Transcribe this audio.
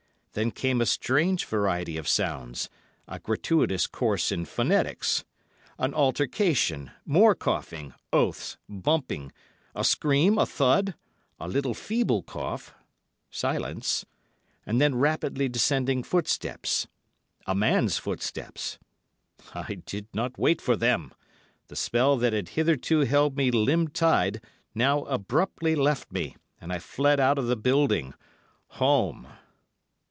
Then came a strange variety of sounds—a gratuitous course in phonetics—an altercation, more coughing, oaths, bumping, a scream, a thud, a little feeble cough, silence, and then rapidly descending footsteps—a man's footsteps. I did not wait for them. The spell that had hitherto held me limb tied now abruptly left me, and I fled out of the building—home.